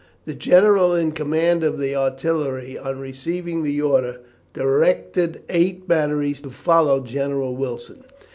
The general in command of the artillery, on receiving the order, directed eight batteries to follow General Wilson.